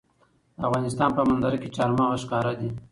د افغانستان په منظره کې چار مغز ښکاره ده.